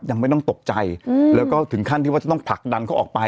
ยังไม่ต้องตกใจแล้วก็ถึงขั้นที่ว่าจะต้องผลักดันเขาออกไป